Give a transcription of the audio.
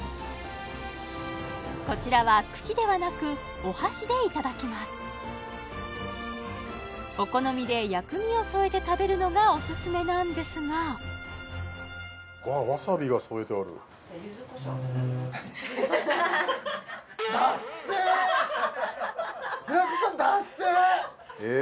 こちらは串ではなくお箸でいただきますお好みで薬味を添えて食べるのがオススメなんですが平子さんだっせぇ！